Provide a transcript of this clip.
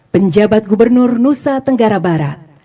penjabat gubernur nusa tenggara barat